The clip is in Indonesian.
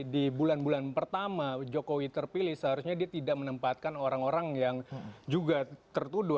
di bulan bulan pertama jokowi terpilih seharusnya dia tidak menempatkan orang orang yang juga tertuduh